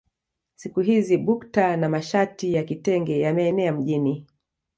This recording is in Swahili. Siku hizi bukta na mashati ya kitenge yameenea mjini